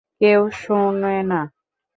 কেউ শোনে না।